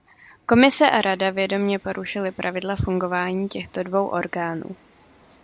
Komise a Rada vědomě porušily pravidla fungování těchto dvou orgánů.